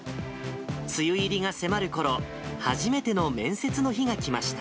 梅雨入りが迫るころ、初めての面接の日が来ました。